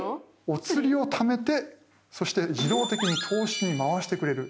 おつりをためてそして自動的に投資に回してくれる。